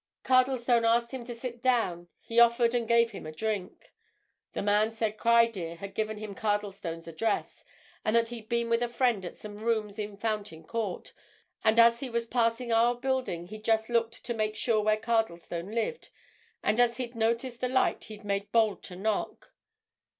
"Cardlestone asked him to sit down: he offered and gave him a drink. The man said Criedir had given him Cardlestone's address, and that he'd been with a friend at some rooms in Fountain Court, and as he was passing our building he'd just looked to make sure where Cardlestone lived, and as he'd noticed a light he'd made bold to knock.